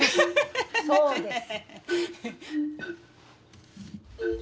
そうです！